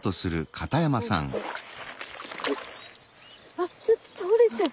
あっちょっと倒れちゃう。